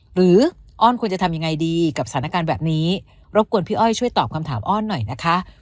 อ้อนควรจะทำยังไงดีกับสถานการณ์แบบนี้รบกวนพี่อ้อยช่วยตอบคำถามอ้อนหน่อยนะคะ